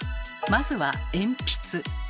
まずは鉛筆。